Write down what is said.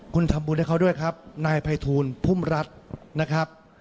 คุณทำบุญให้เขาด้วยครับนายภัยทูลพุ่มรัฐนะครับ